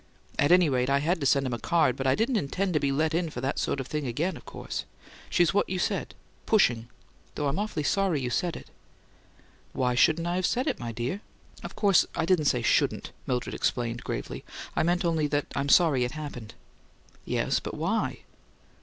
At any rate, I had to send him a card; but I didn't intend to be let in for that sort of thing again, of course. She's what you said, 'pushing'; though I'm awfully sorry you said it." "Why shouldn't I have said it, my dear?" "Of course I didn't say 'shouldn't.'" Mildred explained, gravely. "I meant only that I'm sorry it happened." "Yes; but why?"